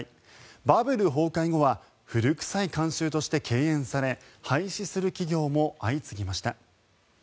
バブル崩壊後は古臭い慣習として敬遠され廃止する企業も相次ぎました。